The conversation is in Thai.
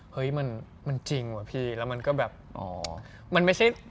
เฮ้ยมันจริงว่ะพี่แล้วมันก็แบบอ๋อมันไม่ใช่